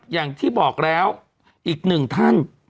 อย่างที่บอกแล้วอีกหนึ่งท่าน